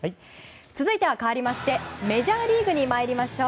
続いてはかわりましてメジャーリーグ参りましょう。